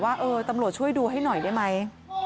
เออตำรวจช่วยดูให้หน่อยได้ไหม